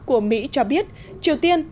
của mỹ cho biết triều tiên